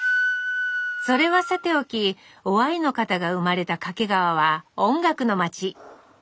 それはさておき於愛の方が生まれた掛川は音楽の街。